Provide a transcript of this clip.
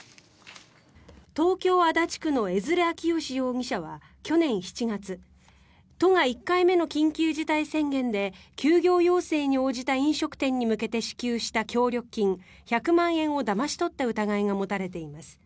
東京・足立区の江連晃祥容疑者は去年７月都が１回目の緊急事態宣言で休業要請に向けて支給した協力金１００万円をだまし取った疑いが持たれています。